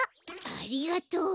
ありがとう。